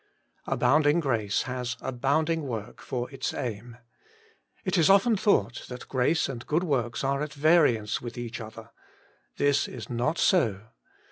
Abounding grace has abounding work for its aim. It is often thought that grace and good works are at variance with each other. This is not so.